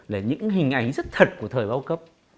là những hình ảnh rất thật của thời bao cấp